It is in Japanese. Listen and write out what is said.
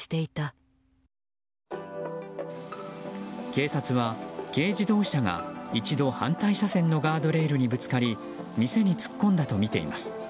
警察は軽自動車が一度反対車線のガードレールにぶつかり店に突っ込んだとみています。